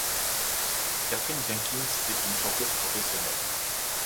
Katherine Jenkins est une chanteuse professionnelle.